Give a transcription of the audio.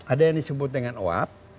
ada yang disebut dengan oap